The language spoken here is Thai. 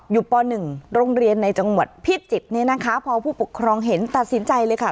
อยู่ปหนึ่งโรงเรียนในจังหวัดพิจิปนี้นะคะพอผู้ปกครองเห็นตัดสินใจเลยค่ะ